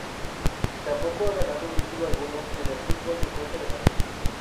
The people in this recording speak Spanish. Tampoco ha ganado título alguno en el fútbol de Costa de Marfil.